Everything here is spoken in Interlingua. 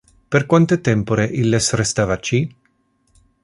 Per quante tempore illes restava ci?